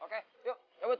oke yuk cabut